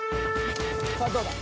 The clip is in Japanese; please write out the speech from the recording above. さあどうだ？